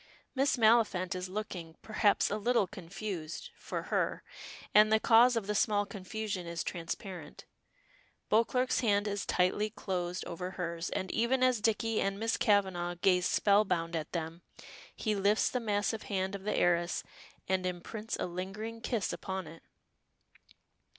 Miss Maliphant is looking, perhaps, a little confused for her and the cause of the small confusion is transparent. Beauclerk's hand is tightly closed over hers, and even as Dicky and Miss Kavanagh gaze spellbound at them, he lifts the massive hand of the heiress and imprints a lingering kiss upon it.